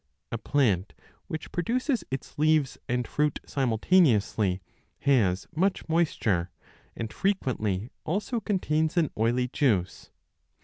A plant which produces its leaves and fruit simultaneously has much moisture, and fre 25 quently also contains an oily juice.